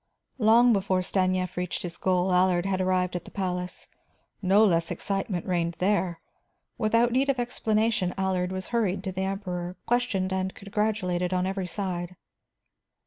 Long before Stanief reached his goal, Allard had arrived at the palace. No less excitement reigned there. Without need of explanation, Allard was hurried to the Emperor, questioned and congratulated on every side.